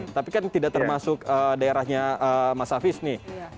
tapi kan tidak termasuk daerahnya mas hafiz nih